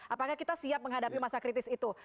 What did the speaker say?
apakah kita siap menghadapi masa kritis itu